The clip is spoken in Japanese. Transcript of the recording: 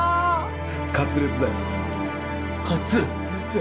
カツレツだよカツレツ？